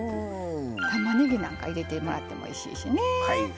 たまねぎなんか入れてもらってもおいしいですし。